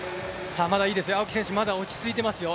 まだいいですよ、青木選手、まだ落ち着いていますよ。